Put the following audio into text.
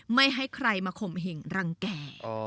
ไม่ให้ใครมาข่มเห็งรังแก่